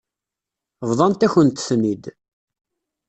Bḍant-akent-ten-id.